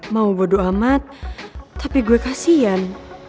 mau bodoh amat tapi gue kasian